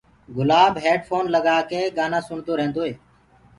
گُلاب هيڊ ڦون لگآڪي گآنآ سُڻدو ريهندوئي